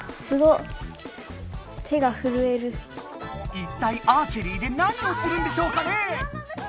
一体アーチェリーで何をするんでしょうかね。